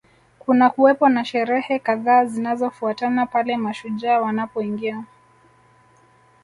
Kunakuwepo na sherehe kadhaa zinazofuatana pale mashujaa wanapoingia